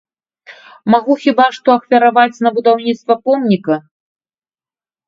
Магу хіба што ахвяраваць на будаўніцтва помніка.